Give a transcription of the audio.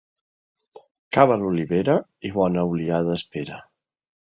Cava l'olivera i bona oliada espera.